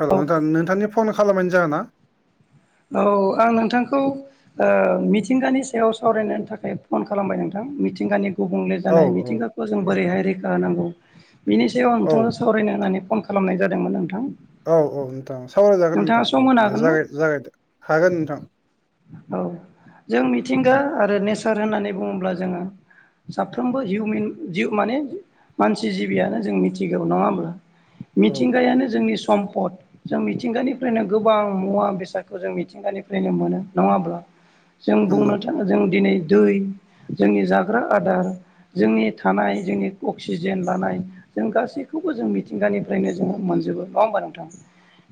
हेल' औ नोंथां नोंथांनि फन खालामानो जाहोना औ आं नोंथांखौ मिथिंगानि सायाव सावरायनायनि थाखाय फन खालामबाय नोंथां मिथिंगानि गुबुंले औ जानाय मिथिंगाखौ जों बोरैहाय रैखा होनांगौ बिनि सायाव आं औ नोंथाङा सावरायनो होननानै फन खालामनाय जादोंमोन नोंथां। औ औ नोंथां सावरायजागोन नोंथाङा नोंथां सम औ होनो दे हागोन ज ना जागायद हागोन नोंथां औ जों मिथिंगा आरो नेचार होननानै बुङोब्ला जोङो साफ्रोमबो हिउमेन जिउ माने मानसि जिबियानो जों मिथिग्रौ नङा होमब्ला औ मिथिंगायानो जोंनि सम्पद जों मिथिंगानिफ्रायनो गोबां मुवा बेसाद खौ जों मिथिंगानिफ्रायनो मोनो नङाब्ला जों नंगौ बुंनो थाङो जों दिनै दै जोंनि जाग्रा आदार जोंनि थानाय जोंनि अक्सिजेन लानाय जों गासैखौबो जों मिथिंगानिफ्रायनो जोङो मोनो। जोबोद नंड़ा होनबा नोथां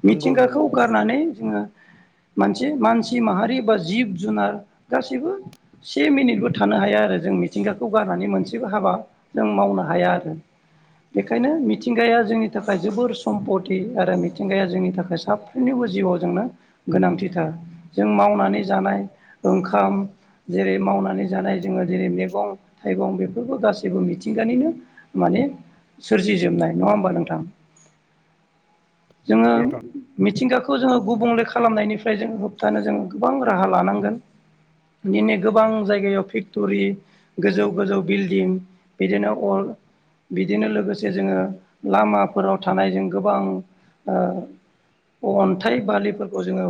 नंगौ नंगौ मिथिंगाखौ गारनानै जोङो मोनसे मानसि माहारि बा जिब जुनार गासैबो से मिनिटबो थानो हाया आरो जों मिथिंगाखौ गारनानै मोनसेबो हाबा जों मावनो हाया आरो बेखायनो मिथिंगाया जोंनि थाखाय जोबोर सम्पति आरो मिथिंगाया जोंनि थाखाय साफ्रोमनिबो जिउआव जोंनो गोनांथिथार जों मावनानै जानाय ओंखाम जेरै मावनानै जानाय जोङो जेरै मैगं थाइगं बेफोरखौ गासैबो मिथिंगानिनो माने सोरजि जोबनाय नङा होमबा नोंथां जोङो नोंथां मिथिंगाखौ जोङो गुबुंले खा खालामनायनिफ्राय जों होबथानो जों गोबां राहा लानांगोन दिनै गोबां जायगायाव फेक्टरि गोजौ गोजौ बिल्डिं बिदिनो अर बिदिनो लोगोसे जोङो लामाफोराव थानायजों गोबां ओ अनथाइ बालिफोरखौ खौ जोङो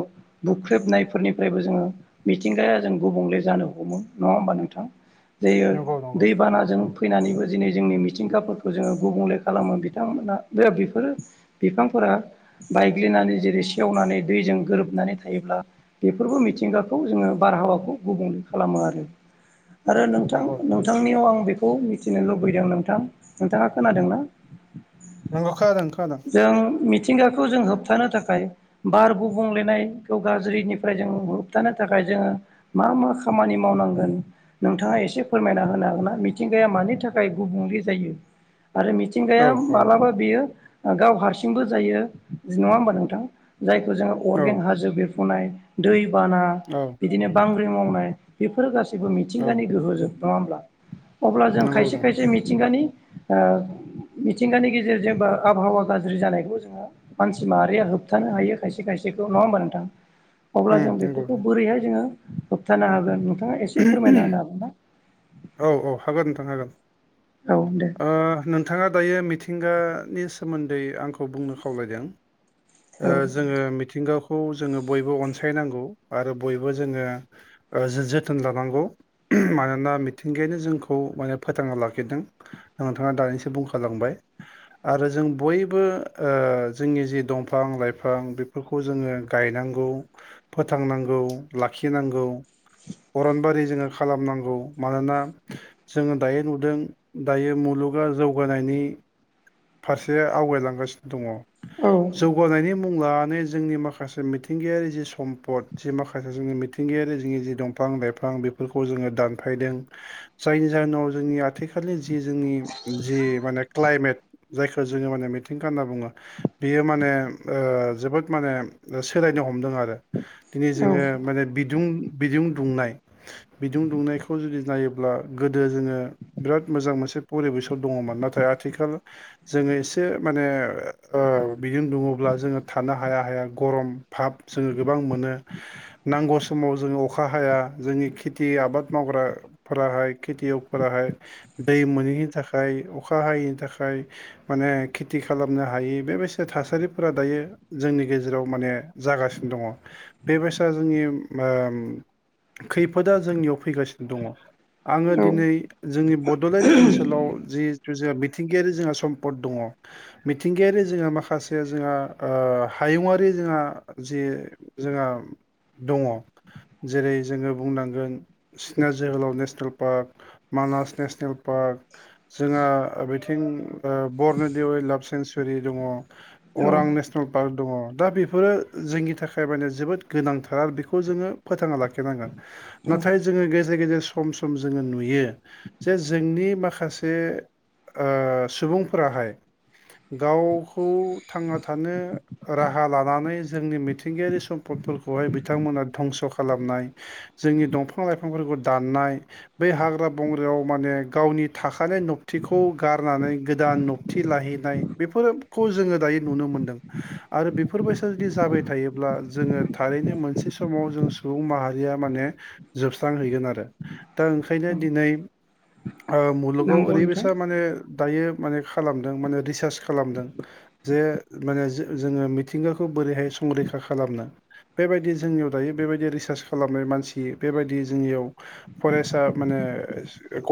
बुख्रेबनायफोरनिफ्रायबो जोङो मिथिंगाया जों गुबुंले जानो हमो नङा होमबा नोंथां थां नंगौ नंगौ दैबानाजो फैनानैबो दिनै जोंनि मिथिंगाफोरखौ जोङो गुबुंले खालामो बिथांमोना बेफोरो बिफांफोरा बायग्लिनानै जेरै सेवनानै दैजों गोरोबनानै थायोब्ला बेफोरबो मिथिंगाखौ जोङो बारहावाखौ गुबुंले खालामो आरो आरो नोंथां नंगौ नोंथांनियाव आं बेखौ मिथि मिथिनो लुबैदों नोंथां नोंथाङा खोनादों ना? नंगौ खोनादों खोनादों जों मिथिंगाखौ जों होबथानो थाखाय बार गुबलेनायखौ गाज्रिनिफ्राय जों होबथानो थाखाय जोङो मा मा खामानि मावनांगौ गोन नोंथाङा एसे फोरमायना होनो हागोन ना मिथिंगाया मानि थाखाय गुबुंले जायो आरो मिथिंगाया औ औ मालाबा बेयो गाव हारसिंबो जायो नङा होमबा नोंथां जायखौ जोङो औ अरगें हाजो बेरफुनाय दैबाना औ बिदिनो बांग्रि मावनाय बेफोरो गासैबो औ मिथिंगानि गोहोजों नङा होमब्ला अब्ला जों नंगौ खायसे नंगौ खायसे मिथिंगानि ओ मिथिंगानि गेजेरजों जेनेबा आबहावा गाज्रि जानायखौ जोङो मानसि माहारिया होबथानो हायो खायसे खायसेखौ नङा होनबा नोंथां अब्ला उम जों नंगौ बेफोरखौ बोरैहाय जोङो होबथानो हागोन नोंथाङा एसे फोरमायना होनो हागोन ना? औ औ हागोन नोंथां हागोन हागोन ना औ दे ओ नोंथाङा दायो मिथि मिथिंगानि सोमोनदै आंखौ बुंनो खावलायदों ओ जोङो मिथिंगाखौ खौ जोङो बयबो अनसायनांगौ आरो बयबो जोङो ओ जो जोथोन लानांगौ मानोना मिथिंगायानो जोंखौ माने फोथांना लाखिदों नोंथाङा दानिसो बुंखालांबाय आरो जों बयबो ओ जोंनि जि दंफां फां-लाइफां बेफोरखौ जोङो गायनांगौ फोथांनांगौ लाखिनांगौ अरनबारि जोङो खालामनांगौ मानोना जोङो दायो नुदों दायो मुलुग गा जौगानायनि फारसे आवगायलांगासिनो दङ औ जौगानायनि मुं लानानै जोंनि माखासे मिथिंगायारि जि समपद जि माखासे जोंनि मिथिंगायारि जोंनि जि दंफां बिफां-लाइफां जोङो दानफायदों जायनि जोनावनिथिनि जि जोंनि जि माने क्लाइमेट जायखौ जोङो माने मिथिंगा होनना बुङो बियो माने ओ जोबोद माने सोलायनो हमदों आरो दिनै औ जोङो माने बिदुं बिदुं दुंनाय बिदुं दुंनायखौ जुदि नायोब्ला गोदो जोङो बिराद मोजां मोनसे एसे परिबेसाव दङमोन नाथाय आथिखाल जोङो एसे माने ओ बिदुं दुङोब्ला जोङो थानो हायो हाया हाया गरम फाब जोङो गोबां मोनो नांगौ समाव जोङो अखा हाया जों खेथि आबाद मावग्रा फोराहाय खेथियगफोराहाय दै मोनैनि थाखाय अखा हायैनि थाखाय माने खेथि खालामनो हायै बेबायदि थासारिफोरा दायो जोंनि गेजेराव माने जागासिनो दङ' बेबायसा जोंनि ओ खैफोदा जोंनियाव फैगासिनो दङ' आङो दिनै जोंनि बड'लेण्ड ओनसोलाव जि जोंहा मिथिंगायारि जोंहा समपद दङ' मिथिंगायारि जोंहा माखासे माखासे जोंहा ओ हायुङारि जोंहा जि जोंहा दङ' जेरै जोङो बुंनांगोन सिकना जोहोलाव national park Manas national park ओ जोंहा बिथिं बरन'दि अयेलाभ सेंसुरि दङ औ अरां नेसनेल पार्क दङ दा बेफोरो जोंनि थाखाय माने जोबोद गोनांथार आरो बेखौ जोङो फोथांना लाखि लाखि नांगोन औ नाथाय जों गेजेर गेजेर सम सम जोङो नुयो जे जोंनि माखासे ओ सुबुंफोराहाय गावखौ थांना थानो राहा लानानै जोंनि मिथिंगायारि सम्पदफोरखौहाय बिथांमोना धंस' खालामनाय जोंनि दंफां लाइफांफोरखौ दाननाय बै हाग्रा बंग्रायाव माने गाव गावनि थाखानाय नबथिखौ गारनानै गोदान नबथि लाहैनाय बेफोरो खौ जोङो दायो नुनो मोनदों आरो बेफोरबायसा जुदि जाबाय थायोब्ला जोङो थारैनो मोनसे समाव जों सुबुं माहारिया माने जोबस्रांहैगोन आरो दा ओंखायनो औ दिनै मुलुगाव नंगौ ओरैबायसा नोंथां माने दायो माने खालामदों माने रिसार्च खालामदों जे माने जोङो मिथिंगाखौ बोरैहाय संरैखा खालामनो बेबायदि जोंनियाव दायो बेबायदि रिसार्च खालामनाय मानसि बेबायदि जोंनियाव फरेस्टआ माने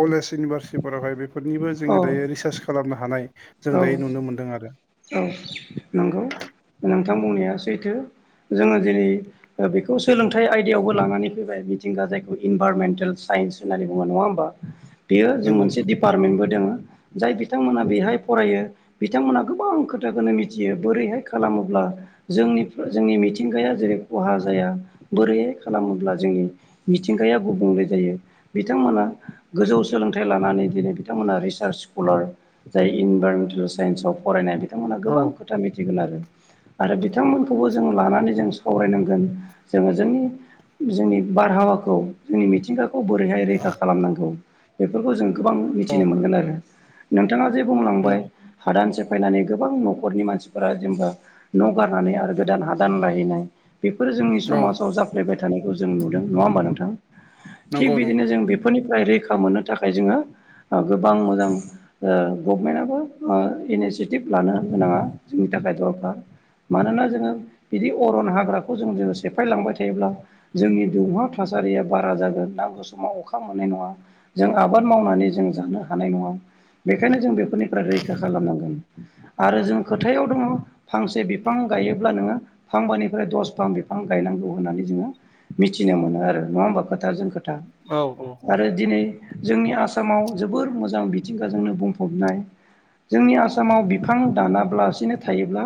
कलेज इउनिभारसिटीफोरावहाय माने बे बे फोरनिबो औ जोङो दायो रिसार्च खालामनो हानाय जों औ दायो नुनो मोनदों आरो औ नंगौ नोंथां बुंनाया सैथो जोङो दिनै बेखौ सोलोंथाइ आयदायावबो लानानै फैबाय मिथिंगा जायखौ इनभाररमेन्टेल सायेनस होननानै बुङो नङा होनबा बेयो जों नंगौ मोनसे नंगौ डिपार्टमेन्टबो दोङो जाय बिथांमोना बेहाय फरायो बिथांमोना गोबां खोथाखौनो मिथियो बोरैहाय खालामोब्ला जोंनि जोंनि मिथिंगाया जेरै खहा जा मा बोरैहाय खालामोब्ला जोंनि मिथिंगाया गुबुंले जायो बिथांमोना गोजौ सोलोंथाइ लानानै दिनै बिथांमोना रिसार्च स्कलार जाय इनभाइरमेन्टेल साइन्स अफ फरायनाय बिथांमोनहा औ गोबां खोथा मिथिगोन आरो आरो बिथांमोनखौबो जों लानानै जों सावरायनांगोन जोङो जोंनि जोंनि बारहावाखौ जोंनि मिथिंगाखौ खौ बोरैहाय रैखा खालामनांगौ बेफोरखौ जों गोबां औ मिथिनो मोनगोन आरो बिथाङा जे बुंलांबाय नंगौ हादान से फायनानै गोबां न'खरनि मानसिफोरा जेनेबा न' गारनानै आरो गोदान हादान लाहैनाय बेफोर जोंनि औ समाजाव जाफ्लेबाय थानायखौ जों नुदों नङा होमबा नोंथां थिग नंगौ नंगौ बिदिनो जों बेफोरनिफ्राय रैखा मोननो थाखाय जोङो गोबां मोजां ओ गभमेन्टआबो इनिसियेटिभ लानो गोनाङा जोंनि थाखाय दरखार मानोना जोङो बिदि अरन हाग्राखौ जों जों सेफायलांबाय थायोब्ला जोंनि दुंहाव थासारि या बारा जागोन नांगौ समाव अखा मोननाय नङा जों आबाद मावनानै जों जानो हानाय नङा बेखायनो जों बेफोरनिफ्राय रैखा खालामनांगोन आरो जों खोथायाव दङ फांसे बिफां गायोब्ला नोङो फांबानिफ्राय दसफां बिफां बिफां गायनांगौ होननानै जोङो मिथिनो मोनो आरो नङा होमबा खोथा जों खोथा औ औ आरो दिनै जोंनि आसामाव जोबोर मोजां बिथिंगाजोंनो बुंफबनाय जोंनि आसाम आसामाव बिफां दाना बालासिनो थायोब्ला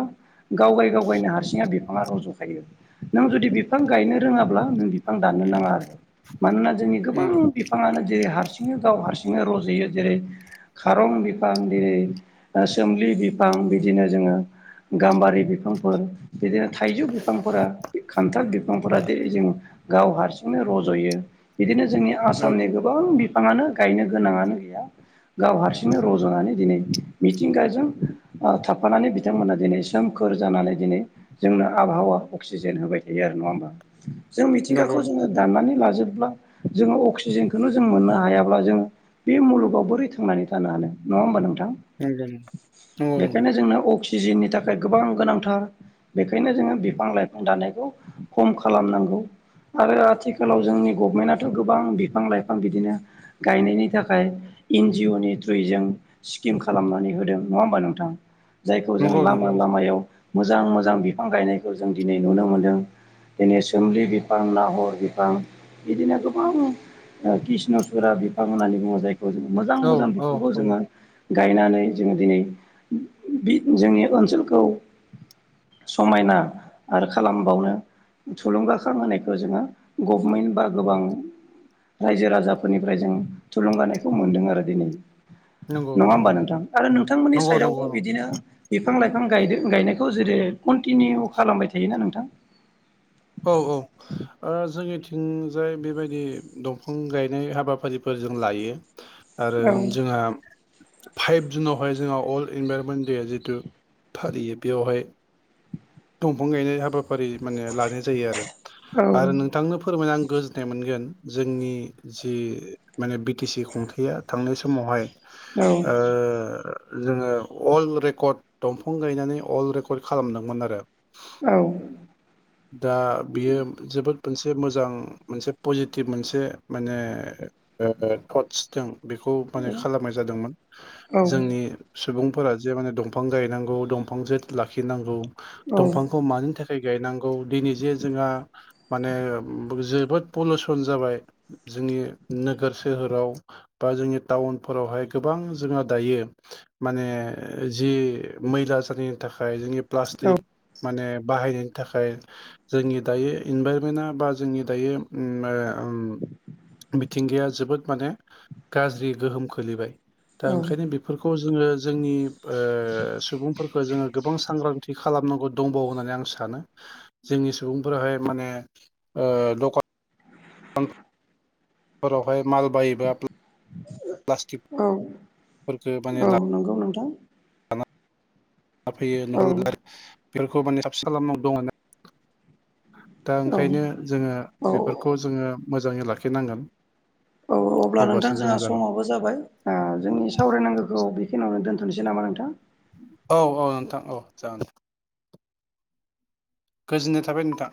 गाव गाय गाव गायनो हारसिङा बिफाङा रज'खायो नों जुदि बिफां गायनो रोङाब्ला नों बिफां दाननो नाङा आरो मानोना जोंनि गोबां नंगौ बिफाङानो जे हारसिं हारसिनो गाव हारसिंनो रज'यो जेरै खारं बिफां जेरै सोमलि बिफां बिदिनो जोङो गाम्बारि बिफांफोर बिदिनो थाइजौ बिफांफोरा खान्थाल बिफांफोरा जेरै जों गाव हारसिंनो रज'यो बिदिनो जोंनि औ आसामनि गोबां बिफाङानो गायनो गोनाङानो गैया गाव हारसिंनो रज'नानै दिनै मिथिंगाजों थाफानानै बिथांमोना दिनै सोमखोर जानानै दिनै जोंनो आबहावा अक्सिजेन होबाय थायो नङा होनबा जों नंगौ मिथिंगाखौ जोङो दाननानै ला जोबब्ला जोङो अक्सिजेनखौनो जों मोननो हायाब्ला जोङो बे मुलुगाव बोरै थांनानै थानो हानो नङा होमबा नोंथां नंगौ नोंथां नंगौ नंगौ सिजननि थाखाय गोबां गोनांथार बेखायनो जोङो बिफां लाइफां दानायखौ खम खालामनांगौ आरो आथिखालाव जोंनि गभमेन्टथ' गोबां बिफां लाइफां बिदिनो गायनायनि थाखाय एन जिअ नि थ्रुयै जों स्किम खालामनानै होदों नङा होमबा नोंथां जायखौ जोङो नंगौ नंगौ लामा लामायाव मोजां मोजां बिफां गायनायखौ जों दिनै नुनो मोन्दों दिनै सोमलि बिफां नाहर बिफां बिदिनो गोबां कृष्णसुरा बिफां होननानै बुङो जायखौ जो मोजां औ मोजां औ बिफांखौ औ जोङो गायनानै जोङो दिनै जोंनि ओनसोलखौ समायना आरो खालामबावनो थुलुंगाखां होनायखौ जोङो गभमेन्ट बा गोबां रायजो राजाफोरनिफ्राय जों थुलुंगानायखौ मोन्दों आरो दिनै नंगौ नङा होमबा नंगौ नोंथां आरो नंगौ नोंथांमोननि नंगौ साइडआवबो नंगौ नंगौ बिदिनो बिफां लाइफां गायदों गायनायखौ जेरै कन्टिनिउ खालामबाय थायोना नोंथां औ औ ओ जोंनि थिं थिंजाय बेबायदि दंफां गायनाय हाबाफारिफोर जों लायो आरो औ जोंहा फाइभ जुनावहाय जोंहा अर्ल्ड इनभाइरमेन्ट देया जितु फालियो बेयावहाय दंफां गायनाय हाबा फारि माने लानाय जायो आरो औ आरो नोंथांनो फोरमायना आं गोजोन्नाय मोनगोन जोंनि जि माने बि टि सि खुंथाया थांनाय समावहाय औ ओ जोङो अल रेकर्ड दंफां गायनानै अल रेकर्ड खालामदोंमोन आरो दा बियो जोबोद मोनसे मोजां मोनसे पजिटिभ मोनसे माने थटस दं बेखौ माने खालामनाय जादोंमोन औ जोंनि सुबुं फोरा जे माने दंफां गायनांगौ दंफां जे लाखिनांगौ दंफांखौ मानि थाखाय गायनांगौ जे जोंहा माने जोबोद पलिउसन जाबाय जोंनि नोगोर सोहोराव बा जोंनि टाउनफोरावहाय गोबां जोंहा दायो माने जि मैला जानायनि थाखाय जोंनि औ प्लास्टिक माने बाहायनायनि थाखाय जोंनि दायो इनभाइरमेन्टआ बा जोंनि दायो उम [inaudible] मिथिंगाया जोबोद माने गाज्रि गोहोम खोलैबाय दा ओंखायनो बेफोरखौ जोङो जोंनि ओ सुबुंफोरखौ जोङो गोबां सांग्रांथि खालामनांगौ दंबावो होननानै आं सानो जोंनि सुबुंफोराहाय माने लक [unintelligible] फोरफोरावहाय माल बायोबा प्लास्टिकफोरखो औ माने ला [unintelligible] नंगौ नोंथां फैयो न औ [unintelligible] बेफोरखौ माने साबिसानाव [unintelligible] दङ। दा ओंखायनो जोङो औ बेफोरखौ जोङो मोजाङै लाखिनांगोन। औ अब्ला नोंथां अब्लासो जों जोंहा जागोन समावबो जाबाय जोंनि सावरायनांगौखौ बेखिनियावनो दोन थ'सै नामा नोंथां औ औ नोंथां औ जागोन गोजोननाय थाबाय नोंथां